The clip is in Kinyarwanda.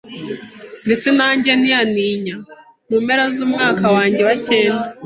ndetse nange ntiyantinya. Mumpera z’umwaka wange wa cyenda,